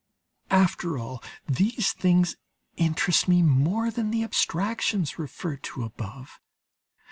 After all, these things interest me more than the abstractions referred to above.